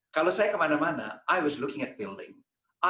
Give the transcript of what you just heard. kalau saya kemana mana saya melihat bangunan